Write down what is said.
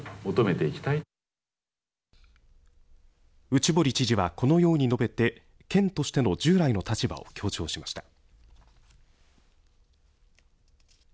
内堀知事は、このように述べて県としての従来の立場を強調しました。